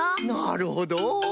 なるほど。